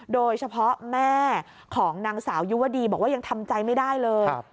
โดยเฉพาะแม่ของนางสาวยุวดีบอกว่ายังทำใจไม่ได้เลย